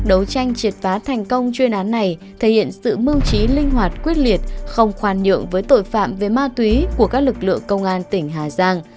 đấu tranh triệt phá thành công chuyên án này thể hiện sự mưu trí linh hoạt quyết liệt không khoan nhượng với tội phạm về ma túy của các lực lượng công an tỉnh hà giang